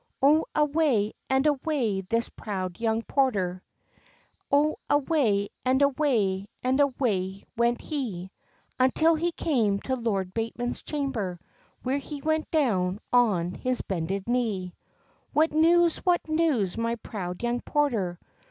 O away and away went this proud young porter, O away and away and away went he, Until he came to Lord Bateman's chamber, Where he went down on his bended knee. "What news, what news, my proud young porter?